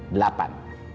delapan program berbagi